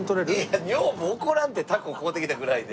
いや女房怒らんてタコ買うてきたぐらいで。